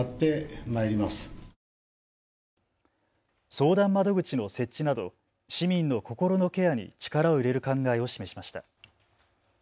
相談窓口の設置など市民の心のケアに力を入れる考えを示しました。